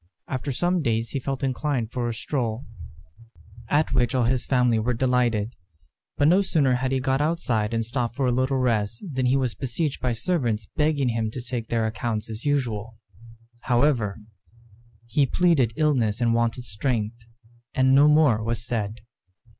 After some days he felt inclined for a stroll, at which all his family were delighted; but no sooner had he got outside and stopped for a little rest than he was besieged by servants begging him to take their accounts as usual. However, he pleaded illness and want of strength, and no more was said.